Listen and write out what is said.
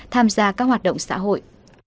tham gia các hoạt động xã hội